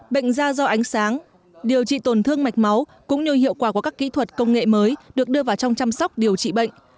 bệnh da do ánh sáng điều trị tổn thương mạch máu cũng như hiệu quả của các kỹ thuật công nghệ mới được đưa vào trong chăm sóc điều trị bệnh